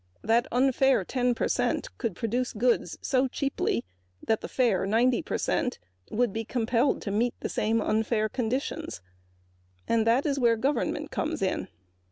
The unfair ten percent could produce goods so cheaply that the fair ninety percent would be compelled to meet the unfair conditions. Here is where government comes in.